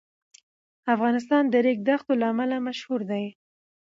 افغانستان د ریګ دښتو له امله مشهور دی.